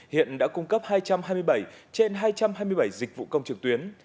hiện đã cung cấp hai trăm hai mươi bảy trên hai trăm hai mươi bảy dịch vụ công trực tuyến